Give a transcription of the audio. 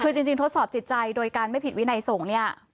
คือจริงทดสอบจิตใจโดยการไม่ผิดวินัยส่งเนี่ย